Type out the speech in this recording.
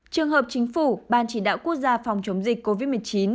trường hợp chính phủ ban chỉ đạo quốc gia phòng chống dịch covid một mươi chín